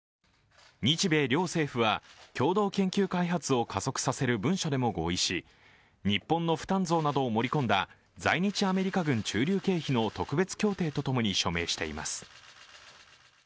日米両政府は共同研究開発を加速させる文書でも合意し日本の負担増などを盛り込んだ在日アメリカ軍駐留経費の特別協定とともに署名しています。